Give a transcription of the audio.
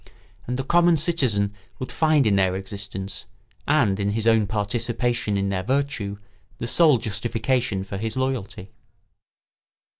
And the common citizen would find in their existence, and in his own participation in their virtue, the sole justification for his loyalty.